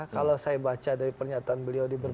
kalau saya baca dari pernyataan beliau